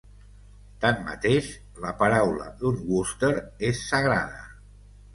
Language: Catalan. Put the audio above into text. Tanmateix, la paraula d'un Wooster és sagrada.